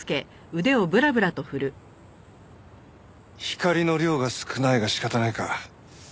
光の量が少ないが仕方ないか。